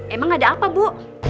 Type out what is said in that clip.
emang ada apa bu